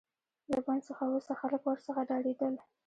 له بند څخه وروسته خلک ورڅخه ډاریدل.